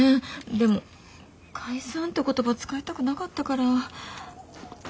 でも解散って言葉使いたくなかったから。